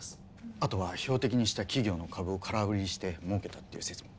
あとは標的にした企業の株を空売りして儲けたっていう説も。